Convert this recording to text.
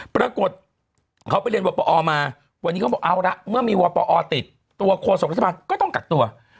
ปรากฏเขาไปเรียนวปอมาวันนี้เขาบอกเอาละเมื่อมีวปอติดตัวโฆษกรัฐบาลก็ต้องกักตัว